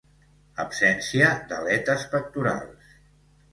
Absència d'aletes pectorals.